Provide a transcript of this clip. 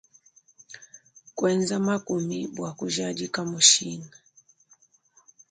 Kuenza makumi bua kujadika mushinga.